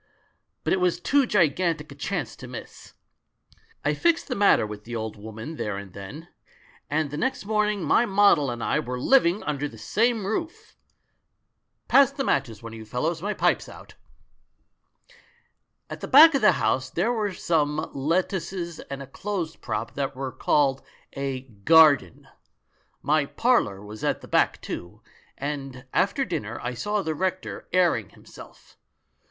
But it was too gigantic a chance to miss. I fixed the matter with the old woman there and then — and the next morning my model and I Were living under the same roof! ... Pass the 26 THE MAN WHO UNDERSTOOD WOMEN matches, one of you fellows, my pipe's out. ... "At the back of the house there were some let tuces and a clothes prop that were called a 'gar den.' My parlour was at the back, too ; and after dinner I saw the rector airing himself.